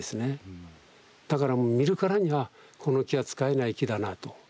だから見るからにあこの木は使えない木だなと。